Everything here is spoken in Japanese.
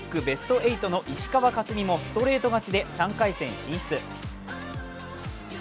ベスト８の石川佳純もストレート勝ちで３回戦進出。